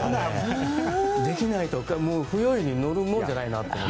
できないと不用意に乗るもんじゃないなと。